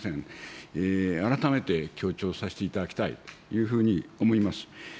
改めて強調させていただきたいというふうに思います。